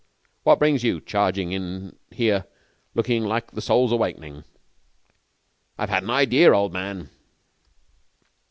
'What brings you charging in here looking like the Soul's Awakening?' 'I've had an idea, old man.'